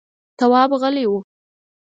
تواب غلی و…